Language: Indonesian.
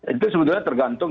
itu sebenarnya tergantung